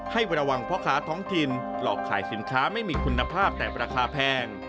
ให้ระวังพ่อค้าท้องถิ่นหลอกขายสินค้าไม่มีคุณภาพแต่ราคาแพง